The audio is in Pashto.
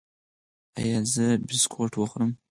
ایا زه بسکټ وخورم؟